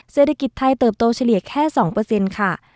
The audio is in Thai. เศรษฐกิจไทยเติบโตเฉลี่ยแค่๒ค่ะ